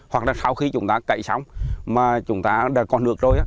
hoặc là sau khi chúng ta cậy sống mà chúng ta đã còn nước rồi